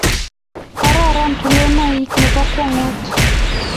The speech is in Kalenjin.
Kororon tulonok nebo kwongut